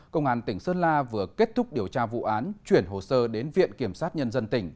công an tỉnh sơn la vừa kết thúc điều tra vụ án chuyển hồ sơ đến viện kiểm sát nhân dân tỉnh